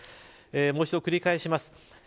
もう一度繰り返します。